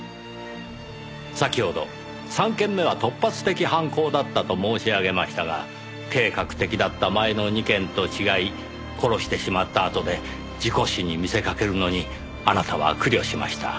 先ほど３件目は突発的犯行だったと申し上げましたが計画的だった前の２件と違い殺してしまったあとで事故死に見せかけるのにあなたは苦慮しました。